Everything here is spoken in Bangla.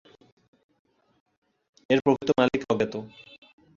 এর প্রকৃত মালিক অজ্ঞাত।